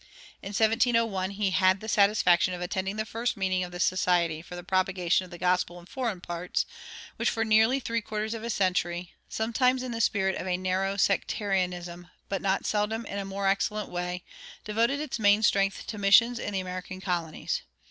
In 1701 he had the satisfaction of attending the first meeting of the Society for the Propagation of the Gospel in Foreign Parts, which for nearly three quarters of a century, sometimes in the spirit of a narrow sectarianism, but not seldom in a more excellent way, devoted its main strength to missions in the American colonies.